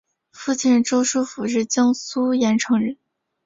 父亲周书府是江苏盐城人。